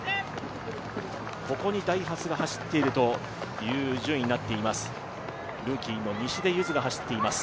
ここにダイハツが走っているという順位になっています。